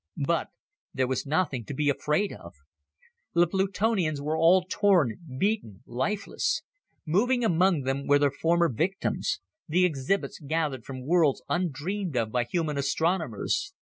But there was nothing to be afraid of. The Plutonians were all torn, beaten, lifeless. Moving among them were their former victims the exhibits gathered from worlds undreamed of by human astronomers.